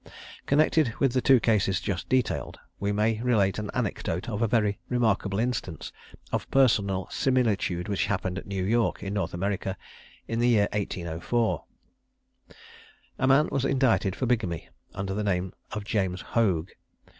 Connected with the two cases just detailed, we may relate an anecdote of a very remarkable instance of personal similitude which happened at New York, in North America, in the year 1804. A man was indicted for bigamy under the name of James Hoag.